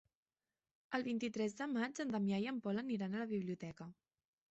El vint-i-tres de maig en Damià i en Pol aniran a la biblioteca.